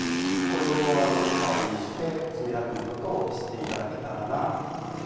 これを機会にして、墨田区のことを知っていただけたらなと。